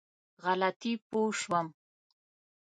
غلطي پوه شوم.